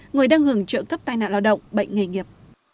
người đang hưởng trợ cấp tai nạn lao động bệnh nghề nghiệp